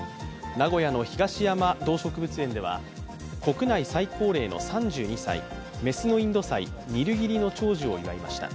名古屋の東山動植物園では国内最高齢の３２歳、雌のインドサイ、ニルギリの長寿を祝いました。